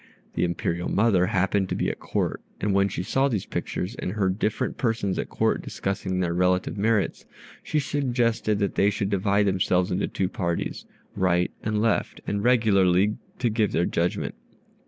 The Imperial mother happened to be at Court, and when she saw these pictures and heard different persons at Court discussing their relative merits, she suggested that they should divide themselves into two parties, right and left, and regularly to give their judgment.